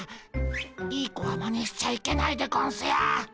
いい子はマネしちゃいけないでゴンスよ。